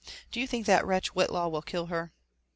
Do you think that wretch Whitlaw will kill her?"